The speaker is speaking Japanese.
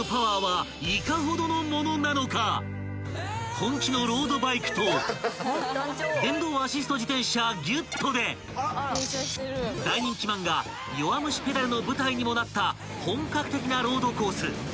［本気のロードバイクと電動アシスト自転車Ｇｙｕｔｔｏで大人気漫画『弱虫ペダル』の舞台にもなった本格的なロードコース］